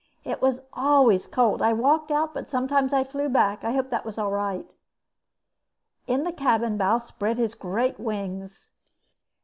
"It was always cold. I walked out, but sometimes I flew back. I hope that was all right." In the cabin Bal spread his great wings.